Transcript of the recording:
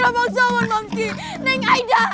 eh babi hutan maksudnya